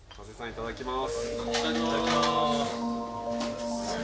いただきます。